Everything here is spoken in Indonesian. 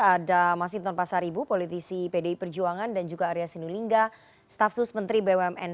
ada mas hinton pasaribu politisi pdi perjuangan dan juga arya sinulinga staf sus menteri bumn